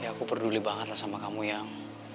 ya aku peduli banget lah sama kamu yang